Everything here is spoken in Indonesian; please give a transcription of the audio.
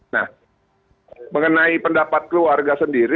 nah mengenai pendapat keluarga sendiri